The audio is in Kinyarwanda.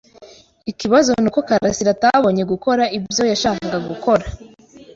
Ikibazo nuko karasira atabonye gukora ibyo yashakaga gukora.